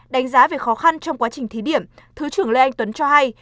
đánh giá về khó khăn trong quá trình thí điểm thứ trưởng lê anh tuấn cho hay